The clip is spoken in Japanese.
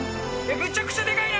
むちゃくちゃでかいな。